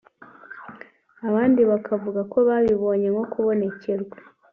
abandi bakavuga ko babibonye nko kubonekerwa